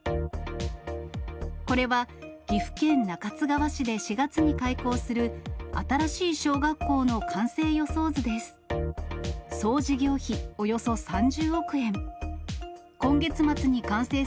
これは、岐阜県中津川市で４月に開校する新しい小学校の完成予想図です。